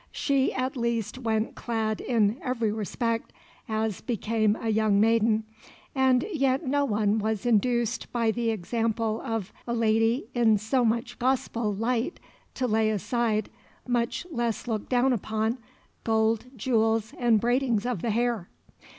She at least went clad in every respect as became a young maiden, and yet no one was induced by the example of "a lady in so much gospel light to lay aside, much less look down upon, gold, jewels, and braidings of the hair."